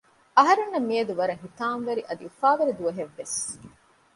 އަހަރެންނަށް މިއަދު ވަރަށް ހިތާމަވެރި އަދި އުފާވެރި ދުވަހެއް ވެސް